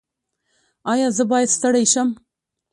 ایا زه باید ستړی شم؟